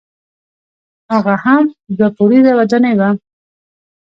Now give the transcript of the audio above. هغه هم دوه پوړیزه ودانۍ وه.